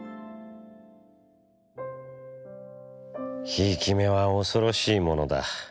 「贔屓目は恐ろしいものだ。